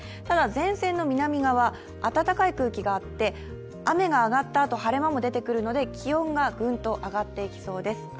ただ、前線の南側、暖かい空気があって雨が上がったあと、晴れ間も出てくるので気温がぐんと上がっていきそうです。